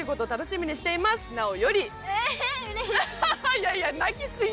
いやいや泣き過ぎ！